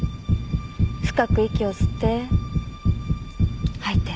深く息を吸って吐いて。